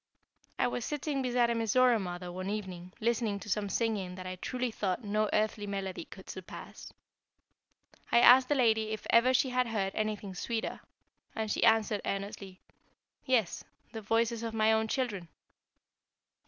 I was sitting beside a Mizora mother one evening, listening to some singing that I truly thought no earthly melody could surpass. I asked the lady if ever she had heard anything sweeter, and she answered, earnestly: "Yes, the voices of my own children."